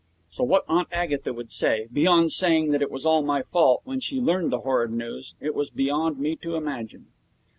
So what Aunt Agatha would say beyond saying that it was all my fault when she learned the horrid news, it was beyond me to imagine.